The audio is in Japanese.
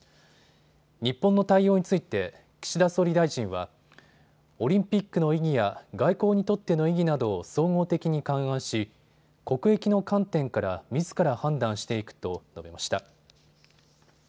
日本の対応について岸田総理大臣はオリンピックの意義や外交にとっての意義などを総合的に勘案し国益の観点からみずから判断していくと述べました。